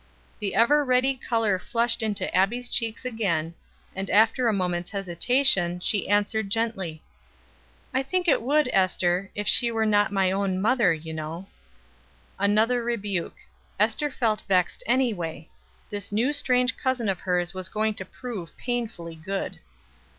The ever ready color flushed into Abbie's cheeks again, and, after a moment's hesitation, she answered gently: "I think it would, Ester, if she were not my own mother, you know." Another rebuke. Ester felt vexed anyway. This new strange cousin of hers was going to prove painfully good.